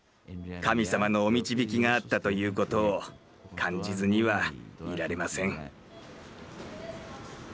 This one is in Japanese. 神様のお導きがあったということを感じずにはいられません。